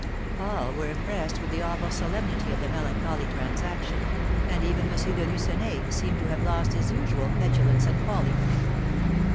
All were impressed with the awful solemnity of the melancholy transaction, and even M. de Lucenay seemed to have lost his usual petulance and folly.